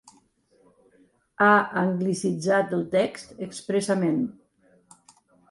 Ha anglicitzat el text expressament.